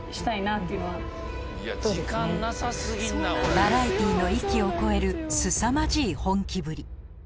バラエティーの域を超えるすさまじい本気ぶり